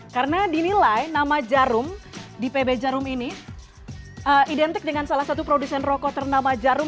karena dinilai nama jarum di pb jarum ini identik dengan salah satu produsen roko ternama jarum